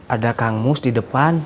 ada kangmus di depan